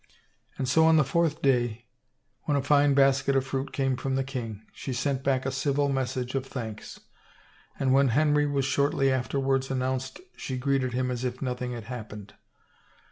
And so on the fourth day, when a fine basket of fruit came from the king, she sent back a civil message of thanks, and when Henry was shortly afterwards an nounced she greeted him as if nothing had happened.